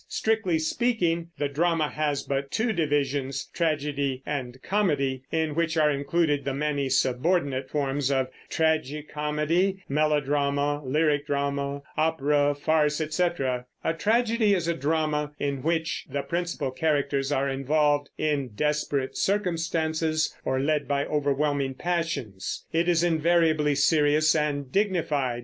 Strictly speaking the drama has but two divisions, tragedy and comedy, in which are included the many subordinate forms of tragi comedy, melodrama, lyric drama (opera), farce, etc. A tragedy is a drama in which the principal characters are involved in desperate circumstances or led by overwhelming passions. It is invariably serious and dignified.